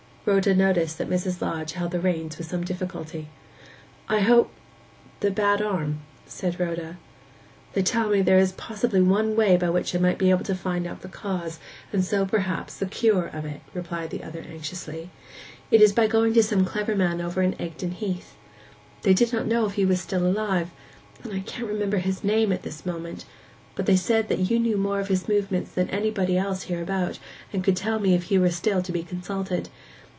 Rhoda noticed that Mrs. Lodge held the reins with some difficulty. 'I hope—the bad arm,' said Rhoda. 'They tell me there is possibly one way by which I might be able to find out the cause, and so perhaps the cure, of it,' replied the other anxiously. 'It is by going to some clever man over in Egdon Heath. They did not know if he was still alive—and I cannot remember his name at this moment; but they said that you knew more of his movements than anybody else hereabout, and could tell me if he were still to be consulted.